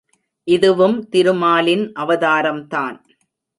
இதுவும் திருமாலின் அவதாரம்தான்!